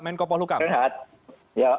menko polhukam terima kasih banyak